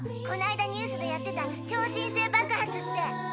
この間ニュースでやってた「超新星ばく発」って。